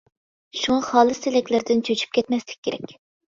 شۇڭا خالىس تىلەكلەردىن چۆچۈپ كەتمەسلىك كېرەك.